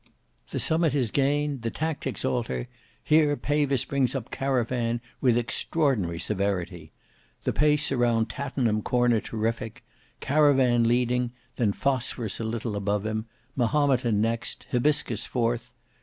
The summit is gained; the tactics alter: here Pavis brings up Caravan, with extraordinary severity,—the pace round Tattenham corner terrific; Caravan leading, then Phosphorus a little above him, Mahometan next, Hybiscus fourth.